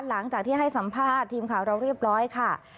หลังจากที่ให้สัมภาษณ์ทีมข่าวเราเรียบร้อยค่ะ